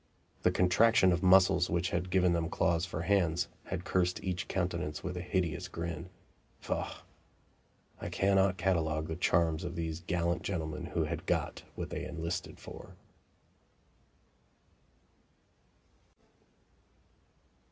The contraction of muscles which had given them claws for hands had cursed each countenance with a hideous grin. Faugh! I cannot catalogue the charms of these gallant gentlemen who had got what they enlisted for.